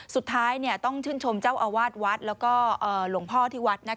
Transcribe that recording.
สุดท้ายต้องชื่นชมเจ้าอาวาสวัดแล้วก็หลวงพ่อที่วัด